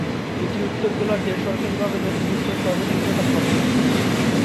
এটি উত্তর গোলার্ধে সরকারীভাবে নথিভুক্ত সর্বনিম্ন তাপমাত্রা।